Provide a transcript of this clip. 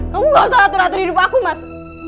kamu gak usah atur atur hidup aku mas